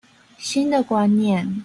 新的觀念